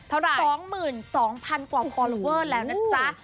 เท่าไหร่๒๒๐๐๐กว่าฟอลลอเวอร์แล้วนะจ๊ะ